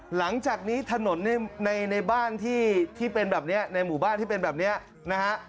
หลังจากนี้ถนนในบ้านที่เป็นแบบนี้ในหมู่บ้านที่เป็นแบบนี้นะฮะ